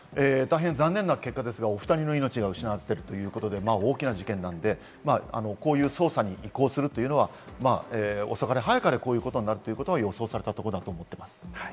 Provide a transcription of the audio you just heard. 残念な結果ですが、お２人の命が失われてということで、大きな事件なので、こういう捜査に移行するというのは、遅かれ早かれ、こういうことになるということは予想されたことだと思っています。